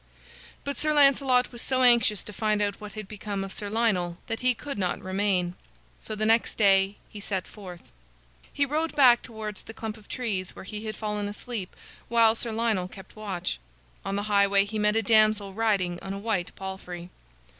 But Sir Lancelot was so anxious to find out what had become of Sir Lionel that he could not remain. So the next day he set forth. He rode back towards the clump of trees where he had fallen asleep while Sir Lionel kept watch. On the highway he met a damsel riding on a white palfrey.